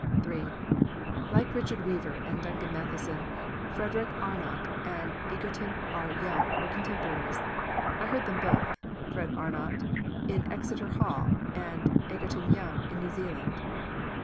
III Like Richard Weaver and Duncan Matheson, Frederick Arnot and Egerton R. Young were contemporaries. I heard them both Fred Arnot in Exeter Hall and Egerton Young in New Zealand.